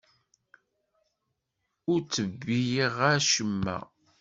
Ur ttebbiɣ acemma.